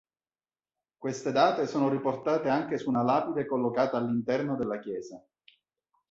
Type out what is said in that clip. Queste date sono riportate anche su una lapide collocata all'interno della chiesa.